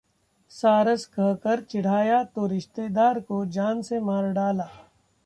‘सारस’ कहकर चिढ़ाया, तो रिश्तेदार को जान से मार डाला